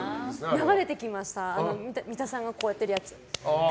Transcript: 流れてきました三田さんがこうやってるやつ。